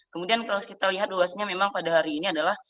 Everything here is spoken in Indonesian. kemudian kalau kita lihat luasnya memang pada hari ini adalah